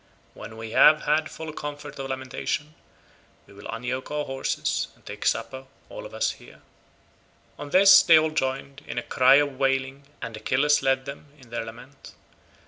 When we have had full comfort of lamentation we will unyoke our horses and take supper all of us here." On this they all joined in a cry of wailing and Achilles led them in their lament.